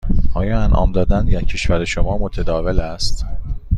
آیا انعام دادن در کشور شما متداول است؟